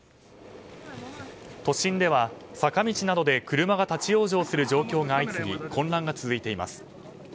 都心では坂道などで車が立ち往生する状況が相次ぎ混乱が続いています。